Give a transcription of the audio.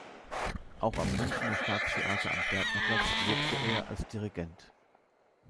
Auch am Münchener Staatstheater am Gärtnerplatz wirkte er als Dirigent.